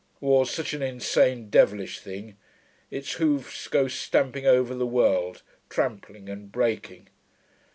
War's such an insane, devilish thing; its hoofs go stamping over the world, trampling and breaking....